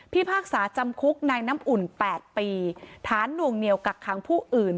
พิพากษาจำคุกในน้ำอุ่นแปดปีฐานวงเหนียวกักคางผู้อื่น